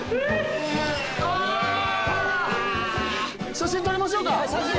写真撮りましょうか。